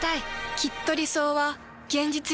きっと理想は現実になる。